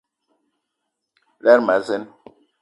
Lerma a zeen.